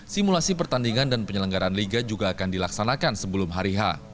simulasi pertandingan dan penyelenggaran liga juga akan dilaksanakan sebelum hari h